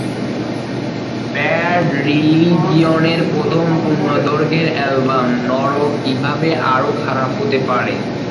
Bad রিলিজিয়নের প্রথম পূর্ণ দৈর্ঘ্যের অ্যালবাম, নরক কিভাবে আরও খারাপ হতে পারে?